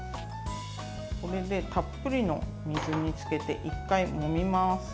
これでたっぷりの水につけて１回、もみます。